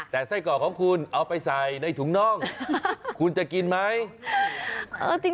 แต่ไส้กรอกของคุณเอาไปใส่ในถุงน่องคุณจะกินไหม